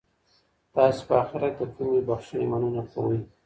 تاسي په اخیرت کي د کومې بښنې مننه کوئ؟